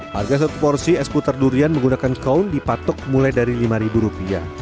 harga satu porsi es putar durian menggunakan kaun dipatok mulai dari lima rupiah